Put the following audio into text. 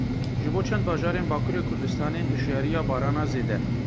Ji bo çend bajarên Bakurê Kurdistanê hişyariya barana zêde.